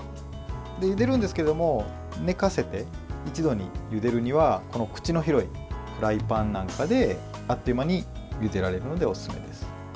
ゆでるんですけど寝かせて、一度にゆでるには口の広いフライパンなんかであっという間にゆでられるのでおすすめです。